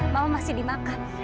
mama masih di makam